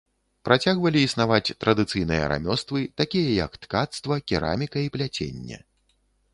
Працягвалі існаваць традыцыйныя рамёствы, такія як ткацтва, кераміка і пляценне.